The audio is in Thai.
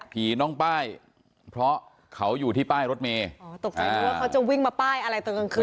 ผีน้องป้ายเพราะเขาอยู่ที่ป้ายรถเมย์อ๋อตกใจนึกว่าเขาจะวิ่งมาป้ายอะไรตอนกลางคืน